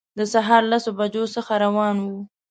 د سهار لسو بجو څخه روان وو.